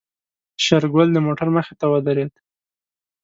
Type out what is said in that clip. شېرګل د موټر مخې ته ودرېد.